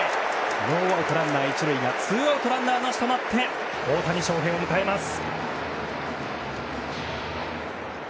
ノーアウトランナー１塁がツーアウトランナーなしとなって大谷翔平を迎えます。